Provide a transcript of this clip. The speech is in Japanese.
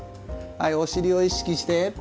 はいお尻を意識して。